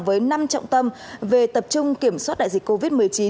với năm trọng tâm về tập trung kiểm soát đại dịch covid một mươi chín